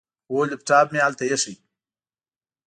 هو، لیپټاپ مې هلته ایښی.